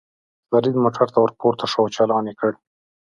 فرید موټر ته ور پورته شو او چالان یې کړ.